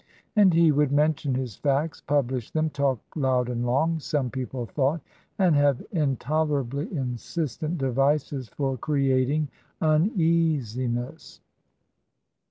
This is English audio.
And he would men tion his facts, publish them, talk loud and long (some people thought), and have intolerably insistent devices for creating uneasiness.